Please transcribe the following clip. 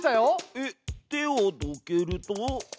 えっ手をどけると。